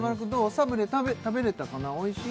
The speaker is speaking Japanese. サブレ食べれたかなおいしい？